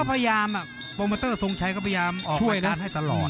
ก็พยายามอ่ะโปรเมตเตอร์ทรงชัยก็พยายามออกมาการให้ตลอด